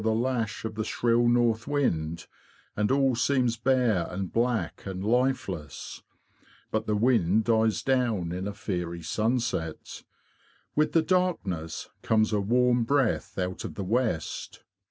the lash of the shrill north wind, and all seems bare and black and lifeless. But the wind dies down in a fiery sunset. With the darkness comes a warm breath out of the west.